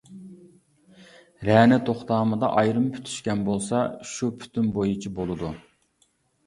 رەنە توختامىدا ئايرىم پۈتۈشكەن بولسا، شۇ پۈتۈم بويىچە بولىدۇ.